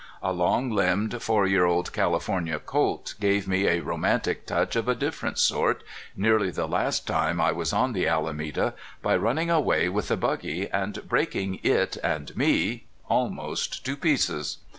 A long limbed four year old California colt gave me a romantic touch of a different sort, nearly the last time I was on the Alameda, by running away with the buggy, and breaking it and me — almost — to pieces.